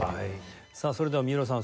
さあそれでは三浦さん